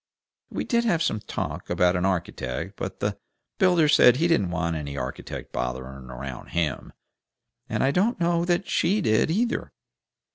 We did have some talk about an architect, but the builder said he didn't want any architect bothering around HIM, and I don't know as SHE did, either.